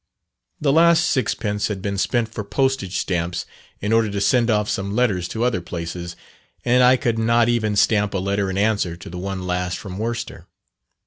The last sixpence had been spent for postage stamps, in order to send off some letters to other places, and I could not even stamp a letter in answer to the one last from Worcester.